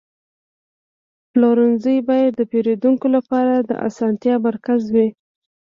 پلورنځی باید د پیرودونکو لپاره د اسانتیا مرکز وي.